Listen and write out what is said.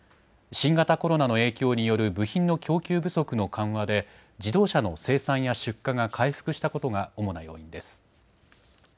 新型コロナの影響による部品の供給不足の緩和で自動車の生産や出荷が回復したことが主な要因です。